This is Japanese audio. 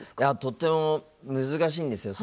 とっても難しいんですよ。